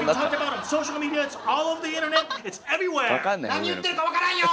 何言ってるか分からんよ！